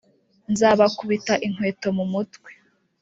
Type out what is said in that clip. nzabakubita inkweto mu mutwe.